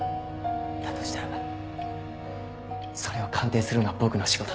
だとしたらそれを鑑定するのは僕の仕事だ。